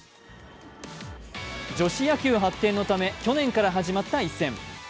女子野球発展のため、去年から始まった一戦。